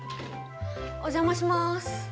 お邪魔します。